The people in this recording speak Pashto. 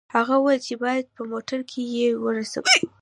هغه وویل چې باید په موټر کې یې ورسوي